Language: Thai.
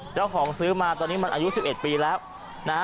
ซื้อมาตอนนี้มันอายุ๑๑ปีแล้วนะฮะ